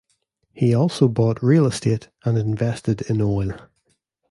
He also bought real estate and invested in oil.